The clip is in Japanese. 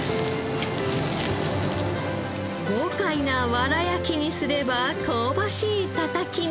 豪快なわら焼きにすれば香ばしいたたきに。